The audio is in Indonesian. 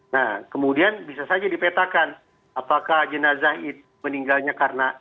nah kemudian bisa saja dipetakan apakah jenazah meninggalnya karena